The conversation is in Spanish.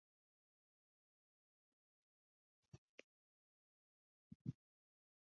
En la población se encuentran presentes iniciativas vinícolas.